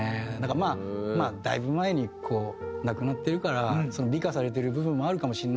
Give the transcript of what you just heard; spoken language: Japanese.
まあだいぶ前に亡くなってるから美化されてる部分もあるかもしれないですけど。